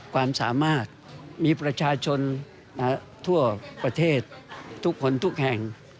ความสามารถมีประชาชนทั่วประเทศทุกคนทุกแห่ง